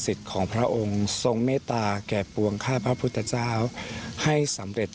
ของพระองค์ทรงเมตตาแก่ปวงค่าพระพุทธเจ้าให้สำเร็จ